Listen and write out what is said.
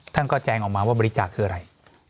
ท่านก็แจงออกมาว่าบริจาคคืออะไร